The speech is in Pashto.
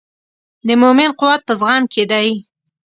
د مؤمن قوت په زغم کې دی.